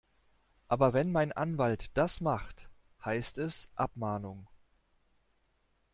Aber wenn mein Anwalt das macht, heißt es Abmahnung.